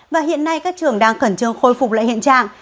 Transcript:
và hiện nay các trường đang khẩn trương khôi phục lại hiện trạng